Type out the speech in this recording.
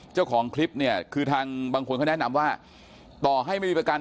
เจ้าของคลิปเนี่ยคือทางบางคนเขาแนะนำว่าต่อให้ไม่มีประกัน